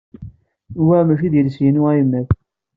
Wa maci d iles-inu ayemmat.